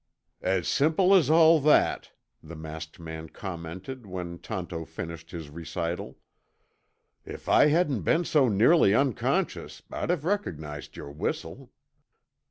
"As simple as all that," the masked man commented when Tonto finished his recital. "If I hadn't been so nearly unconscious, I'd have recognized your whistle."